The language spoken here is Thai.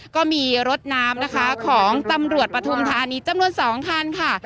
ก็มีรถน้ำนะคะของตำรวจปฐุมธานีจำนวน๒คันค่ะ